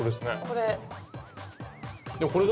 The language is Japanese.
これ。